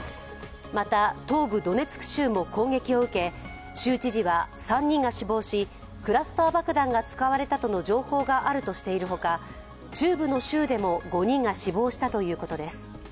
また、東部ドネツク州も攻撃を受け州知事は３人が死亡しクラスター爆弾が使われたとの情報があるとしているほか中部の州でも５人が死亡したということです。